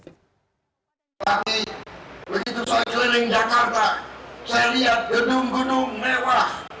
tapi begitu saya keliling jakarta saya lihat gedung gedung mewah